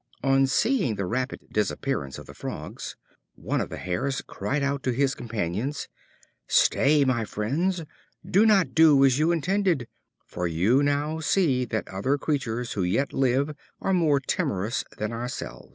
On seeing the rapid disappearance of the Frogs, one of the Hares cried out to his companions: "Stay, my friends, do not do as you intended; for you now see that other creatures who yet live are more timorous than ourselves."